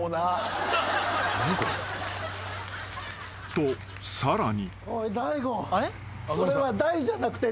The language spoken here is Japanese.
［とさらに］